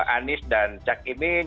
anies dan cak timin